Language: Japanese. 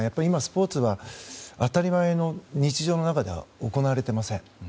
今、スポーツは当たり前の日常の中で行われていません。